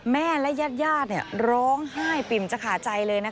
แม่และญาติร้องไห้ปิ่มจะขาดใจเลย